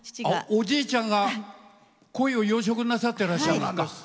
おじいちゃんがコイを養殖なさってるんだ。